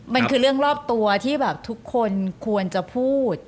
มันคือเรื่องรอบตัวที่แบบทุกคนควรจะพูด